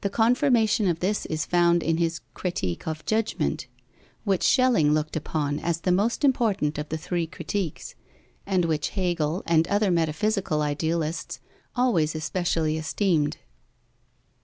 The confirmation of this is found in his Critique of Judgment, which Schelling looked upon as the most important of the three Critiques, and which Hegel and other metaphysical idealists always especially esteemed.